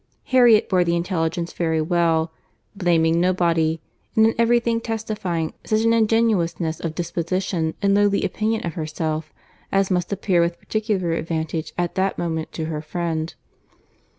Harriet bore the intelligence very well—blaming nobody—and in every thing testifying such an ingenuousness of disposition and lowly opinion of herself, as must appear with particular advantage at that moment to her friend.